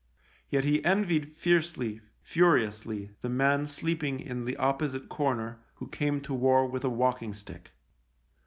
Yet he envied fiercely, furiously, the man sleeping in the opposite corner who came to war with a walking stick.